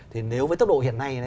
thì nếu với tốc độ hiện nay